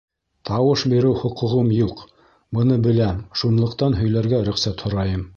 — Тауыш биреү хоҡуғым юҡ, быны беләм, шунлыҡтан һөйләргә рөхсәт һорайым.